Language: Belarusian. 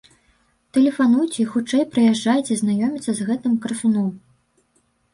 Тэлефануйце і хутчэй прыязджайце знаёміцца з гэтым красуном!